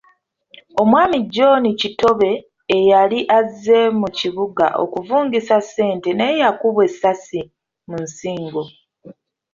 Omwami John Kittobbe eyali azze mu kibuga okuvungisa ssente naye yakubwa essasi mu nsigo.